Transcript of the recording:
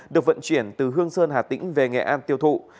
được vận chuyển từ hương sơn hà tĩnh về nghệ an tiêu thụ